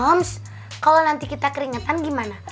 omset kalau nanti kita keringetan gimana